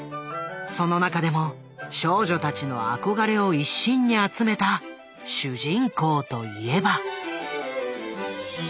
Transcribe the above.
その中でも少女たちの憧れを一身に集めた主人公といえば。